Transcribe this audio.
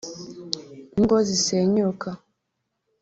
Ingo zisenyuka